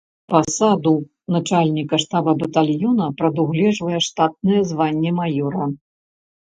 Пасаду начальніка штаба батальёна прадугледжвае штатнае званне маёра.